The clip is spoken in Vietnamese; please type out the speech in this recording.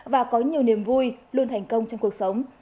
và có nhiều niềm vui luôn thành công trong cuộc sống